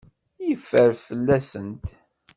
Yeffer fell-asent.